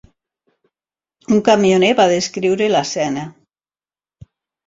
Un camioner va descriure l'escena.